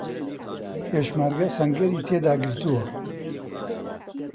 پێشمەرگە سەنگەری تێدا گرتووە.